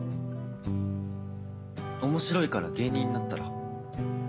面白いから芸人になったら？